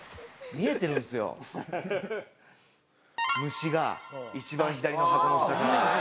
虫が一番左の箱の下から。